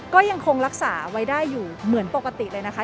ก็ยังคงรักษาไว้ได้อยู่เหมือนปกติเลยนะคะ